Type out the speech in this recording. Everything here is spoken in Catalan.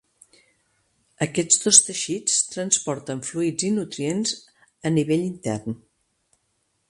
Aquests dos teixits transporten fluids i nutrients a nivell intern.